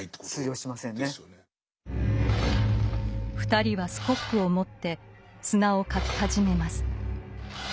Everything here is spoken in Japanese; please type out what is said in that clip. ２人はスコップを持って砂を掻き始めます。